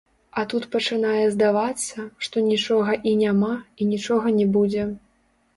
А тут пачынае здавацца, што нічога і няма, і нічога не будзе.